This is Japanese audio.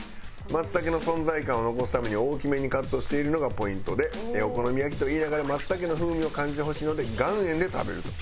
松茸の存在感を残すために大きめにカットしているのがポイントでお好み焼きといいながら松茸の風味を感じてほしいので岩塩で食べると。